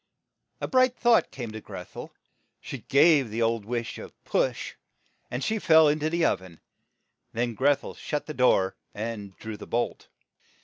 A bright thought came to Greth el. She gave the old witch a push, and she fell in to the ov en. Then Greth el shut the door and drew the bolt.